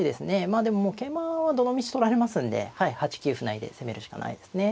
まあでももう桂馬はどのみち取られますんで８九歩成で攻めるしかないですね。